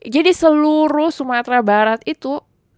jadi seluruh sumatera barat itu